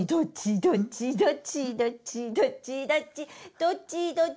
「どっちどっちどっちどっち」